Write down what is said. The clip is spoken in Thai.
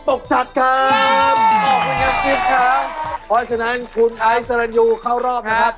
เพราะฉะนั้นคุณไอศรนยูเข้ารอบนะครับ